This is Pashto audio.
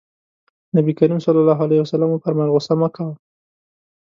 نبي کريم ص وفرمايل غوسه مه کوه.